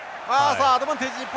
あアドバンテージ日本！